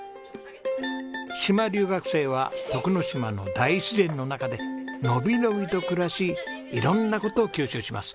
島留学生は徳之島の大自然の中で伸び伸びと暮らし色んな事を吸収します。